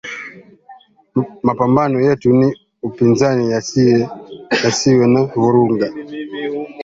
Mapambano yetu ni upinzani yasiwe na vuruga